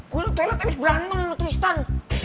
gue luar toilet abis berantem lu tristan